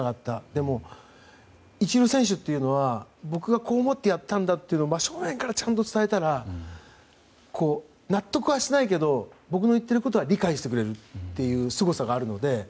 でも、一流選手というのはこういう意図でやったんだと真正面からちゃんと伝えたら納得はしないけど僕の言ってることは理解してくれるすごさがあるので。